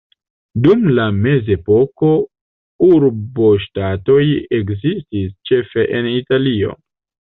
Dum la mezepoko urboŝtatoj ekzistis ĉefe en Italio.